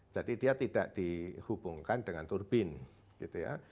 dia tidak dihubungkan dengan turbin gitu ya